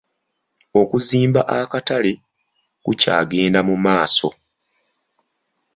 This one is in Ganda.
Okuzimba akatale kukyagenda mu maaso.